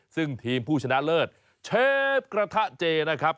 ซึ่งทีมผู้ชนะเลิศเชฟกระทะเจนะครับ